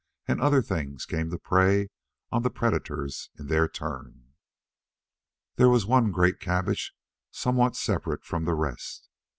And other things came to prey on the predators in their turn. There was one great cabbage somewhat separate from the rest.